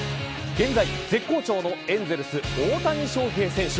現在絶好調のエンゼルス、大谷翔平選手。